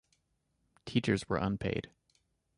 Teachers were unpaid.